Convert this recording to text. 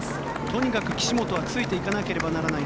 とにかく岸本はついていかなければならない。